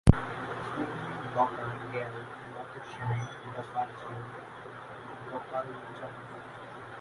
কুন-দ্গা'-র্গ্যাল-ম্ত্শান-দ্পাল-ব্জাং-পো পঞ্চম সা-স্ক্যা-খ্রি-'দ্জিন গ্রাগ্স-পা-র্গ্যাল-ম্ত্শানের প্রধান শিষ্য ছিলেন।